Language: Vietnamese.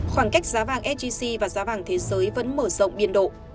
khoảng cách giá vàng sgc và giá vàng thế giới vẫn mở rộng biên độ